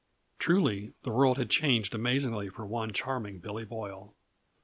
Truly, the world had changed amazingly for one Charming Billy Boyle.